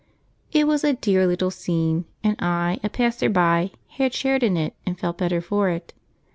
It was a dear little scene, and I, a passer by, had shared in it and felt better for it.